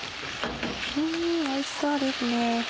んおいしそうですね。